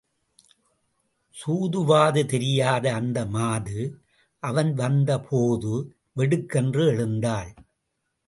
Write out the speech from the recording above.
சூதுவாது தெரியாத அந்த மாது அவன் வந்த போது வெடுக்கென்று எழுந்தாள்.